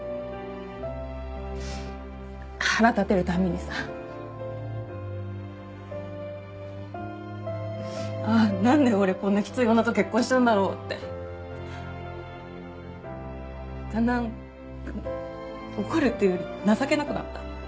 腹立てる度にさ「なんで俺こんなきつい女と結婚したんだろう」って。だんだん怒るっていうより情けなくなった。